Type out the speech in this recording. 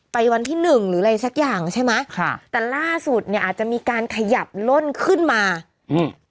วันที่หนึ่งหรืออะไรสักอย่างใช่ไหมค่ะแต่ล่าสุดเนี้ยอาจจะมีการขยับล่นขึ้นมาอืม